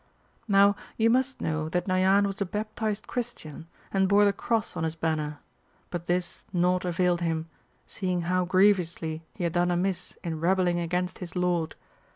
Now you must know that Nayan was a baptized Christian, and bore the cross on his banner ; but this nought availed him, seeing how grievously he had done amiss in rebellingr aoainst his Lord.